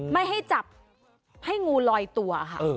ไม่ให้จับให้งูลอยตัวค่ะ